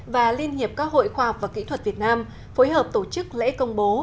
và liên hiệp các hội khoa học và kỹ thuật việt nam phối hợp tổ chức lễ công bố